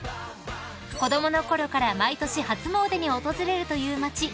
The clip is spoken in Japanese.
［子供のころから毎年初詣に訪れるという街